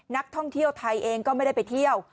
นักท่องเที่ยวไทยเองก็ไม่ได้ไปเที่ยว